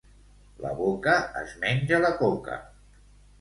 La boca es menja la coca.